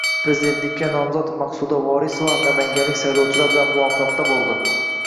Prezidentlikka nomzod Maqsuda Vorisova namanganlik saylovchilar bilan muloqotda bo‘ldi